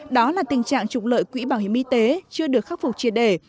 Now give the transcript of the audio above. đó là tình trạng trục lợi quỹ bảo hiểm y tế chưa được khắc phục triệt đề